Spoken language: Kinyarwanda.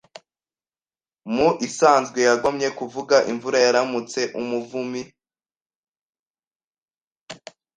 Mu isanzwe yagomye kuvuga: “ Imvura yaramutse umuvumi ”